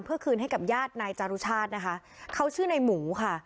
เพื่อคืนให้กับญาตินายจารุชาตินะคะเขาชื่อในหมูค่ะ